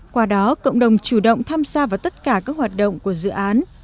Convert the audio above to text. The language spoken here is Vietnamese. qua đó cộng đồng chủ động tham gia vào tất cả các hoạt động của dự án